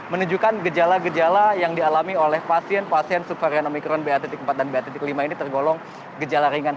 menunjukkan gejala gejala yang dialami oleh pasien pasien subvarian omikron ba empat dan ba lima ini tergolong gejala ringan